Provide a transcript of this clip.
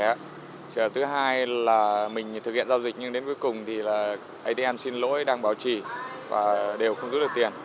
trường hợp thứ hai là mình thực hiện giao dịch nhưng đến cuối cùng thì atm xin lỗi đang bảo trì và đều không rút được tiền